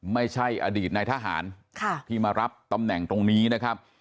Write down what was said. ไม่ใช่อดีตนายทหารที่มารับตำแหน่งตรงนี้นะครับ